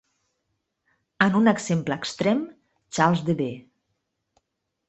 En un exemple extrem, Charles D. B.